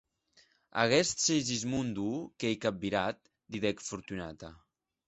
Aguest Segismundo qu’ei capvirat, didec Fortunata.